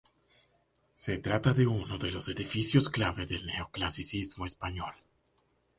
Se trata de uno de los edificios clave del Neoclasicismo español.